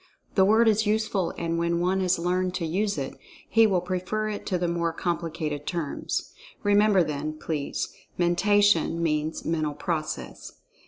The word is useful and when one has learned to use it, he will prefer it to the more complicated terms. Remember, then, please—"Mentation" means "Mental Process."